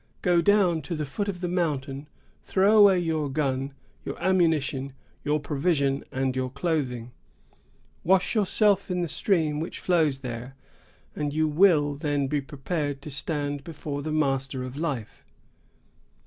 Go down to the foot of the mountain, throw away your gun, your ammunition, your provisions, and your clothing; wash yourself in the stream which flows there, and you will then be prepared to stand before the Master of Life.